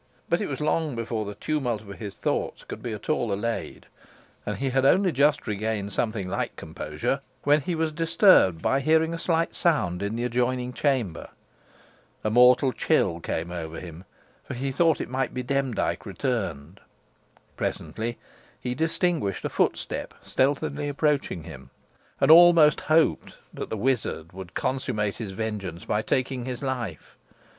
But it was long before the tumult of his thoughts could be at all allayed, and he had only just regained something like composure when he was disturbed by hearing a slight sound in the adjoining chamber. A mortal chill came over him, for he thought it might be Demdike returned. Presently, he distinguished a footstep stealthily approaching him, and almost hoped that the wizard would consummate his vengeance by taking his life.